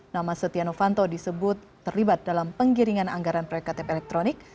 nama setia novanto disebut terlibat dalam penggiringan anggaran proyek ktp elektronik